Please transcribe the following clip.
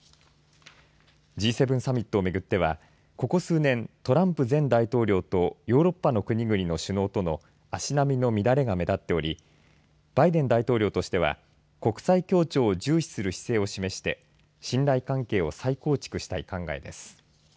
Ｇ７サミットをめぐってはここ数年トランプ前大統領とヨーロッパの国々の首脳との足並みの乱れが目立っておりバイデン大統領としては国際協調を重視する姿勢を示して信頼関係を再構築したい考えです。